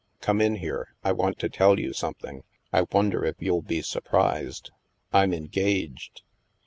Come in here ; I want to tell you something. I won der if you'll be surprised. I'm engaged."